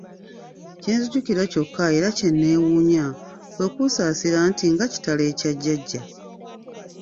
Kye nzijukira kyokka era kye neewuunya kwe kunsaasira nti nga kitalo ekya Jjajja.